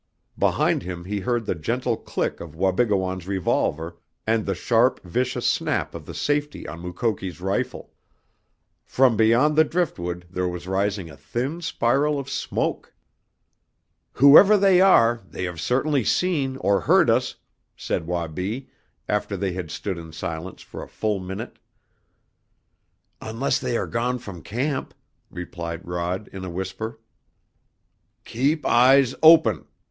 Behind him he heard the gentle click of Wabigoon's revolver and the sharp, vicious snap of the safety on Mukoki's rifle. From beyond the driftwood there was rising a thin spiral of smoke! "Whoever they are, they have certainly seen or heard us!" said Wabi, after they had stood in silence for a full minute. "Unless they are gone from camp," replied Rod in a whisper. "Keep eyes open!"